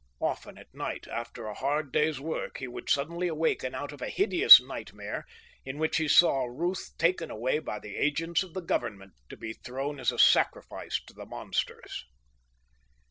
Often at night, after a hard day's work, he would suddenly awaken out of a hideous nightmare, in which he saw Ruth taken away by the agents of the Government, to be thrown as a sacrifice to the monsters.